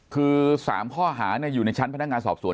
คือ๓ข้อหาอยู่ในชั้นพนักงานสอบสวน